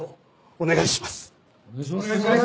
お願いします！